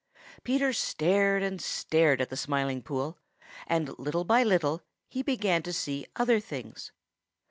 Peter stared and stared at the Smiling Pool, and little by little he began to see other things.